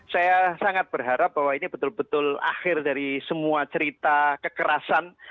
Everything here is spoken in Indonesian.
saya sangat berharap bahwa ini betul betul akhir dari semua cerita kekerasan